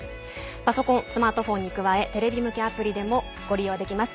パソコン、スマートフォンに加えテレビ向けアプリでもご利用できます。